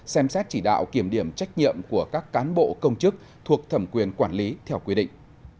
xem xét chỉ đạo kiểm điểm trách nhiệm của các cán bộ công chức thuộc thẩm quyền quản lý theo quy định